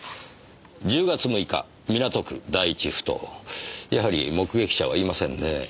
「１０月６日港区第１埠頭」やはり目撃者はいませんねえ。